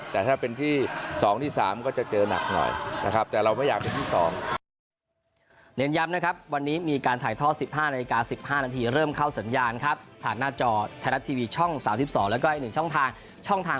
แต่ถ้าเป็นที่๒ที่๓ก็จะเจอหนักหน่อยนะครับแต่เราไม่อยากเป็นที่สอง